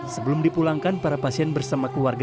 sebelum dipulangkan para pasien bersama keluarga